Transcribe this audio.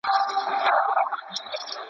افغان ډاکټران د لوړو زده کړو پوره حق نه لري.